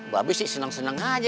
pak be sih seneng seneng aja